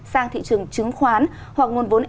sang thị trường chứng khoán hoặc nguồn vốn